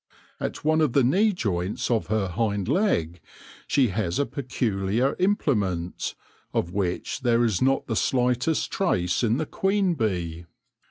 At one of the knee joints of her hind leg she has a peculiar implement, of which there is not the slightest trace in the queen bee.